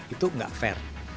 itu tidak fair